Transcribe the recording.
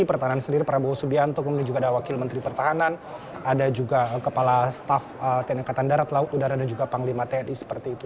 pertahanan sendiri prabowo subianto kemudian juga ada wakil menteri pertahanan ada juga kepala staff tni angkatan darat laut udara dan juga panglima tni seperti itu